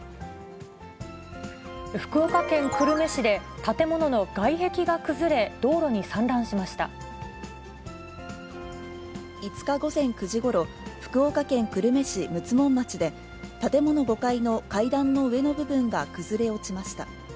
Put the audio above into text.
福岡県久留米市で、建物の外５日午前９時ごろ、福岡県久留米市六ツ門町で、建物５階の階段の上の部分が崩れ落ちました。